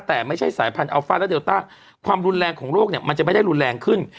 แต่ไม่ใช่สายพันธอัลฟ่าและเลต้าความรุนแรงของโรคเนี่ยมันจะไม่ได้รุนแรงขึ้น